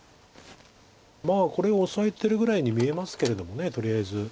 これをオサえてるぐらいに見えますけどとりあえず。